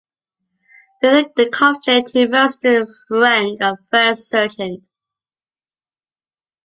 During the conflict, he rose to the rank of First Sergeant.